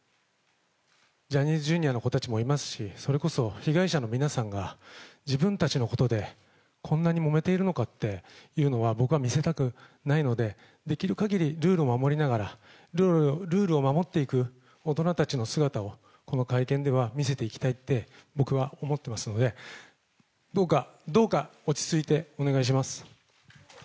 ジャニーズＪｒ．の子たちもいますし、それこそ被害者の皆さんが自分たちのことでこんなにもめているのかというのは、僕は見せたくないので、できるかぎりルールを守りながら、ルールを守っていく大人たちの姿を、この会見では見せていきたいって、僕は思っていますので、どうか、どうか落ち着いて、お願いします。